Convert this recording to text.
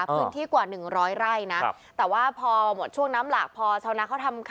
ซึ่งที่กว่าหนึ่งร้อยไร่นะครับแต่ว่าพอหมดช่วงน้ำหลากพอชาวน้ำเขาทำ